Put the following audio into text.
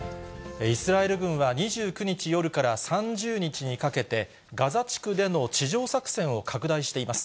イスラエル軍は２９日夜から３０日にかけて、ガザ地区での地上作戦を拡大しています。